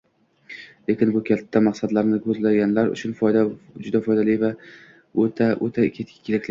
Lekin bu katta maqsadlarni koʻzlaganlar uchun juda foydali va oʻta-oʻta keraklidir